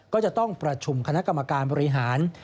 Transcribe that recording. ก็จะต้องประชุมคณะกรรมการบริหาร